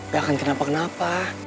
gak akan kenapa kenapa